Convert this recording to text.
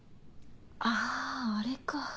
あぁあれか。